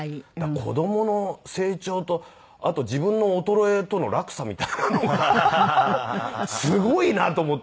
子供の成長とあと自分の衰えとの落差みたいなのがすごいなと思って。